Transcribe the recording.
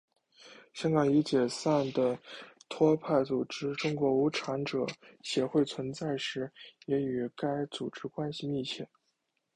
香港已解散的托派组织中国无产者协会存在时也与该组织关系密切。